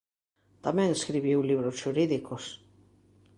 Tamén escribiu libros xurídicos